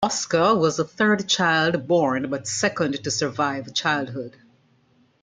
Oscar was the third child born but second to survive childhood.